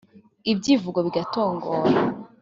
ibyivugo bigatongora